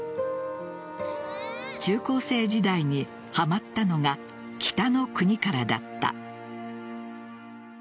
中高生時代にはまったのが「北の国から」だった。